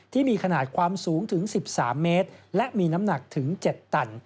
ที่มีขนาดความสูงถึง๑๓เมตรและมีน้ำหนักถึง๗ตัน